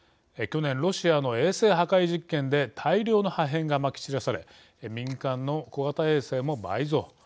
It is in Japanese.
去年、ロシアの衛星破壊実験で大量の破片がまき散らされ民間の小型衛星も倍増。